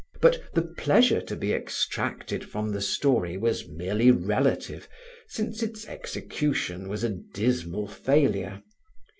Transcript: But the pleasure to be extracted from the story was merely relative, since its execution was a dismal failure.